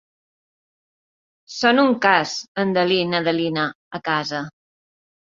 Són un cas, en Dalí i n'Adelina, a casa!